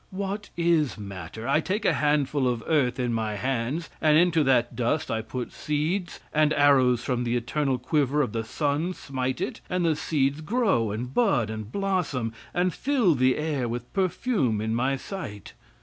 What is matter? I take a handful of earth in my hands, and into that dust I put seeds, and arrows from the eternal quiver of the sun smite it, and the seeds grow and bud and blossom, and fill the air with perfume in my sight.